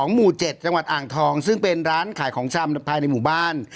หมู่๗จังหวัดอ่างทองซึ่งเป็นร้านขายของชำภายในหมู่บ้าน